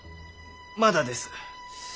まだです。